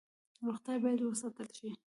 روغتیا باید وساتل شي